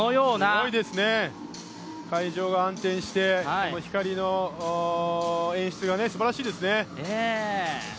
すごいですね、会場が暗転して光の演出がすばらしいですね。